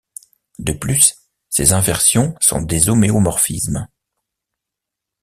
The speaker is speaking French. De plus, ces inversions sont des homéomorphismes.